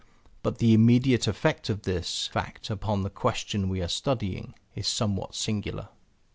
But the immediate effect of this fact upon the question we are studying is somewhat singular.